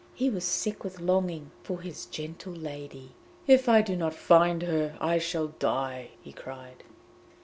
He was sick with longing for his gentle lady; 'If I do not find her, I shall die!' he cried.